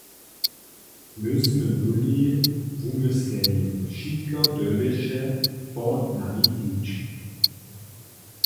My smy byli wumysleni, wšitko dyrbješe po nami hić.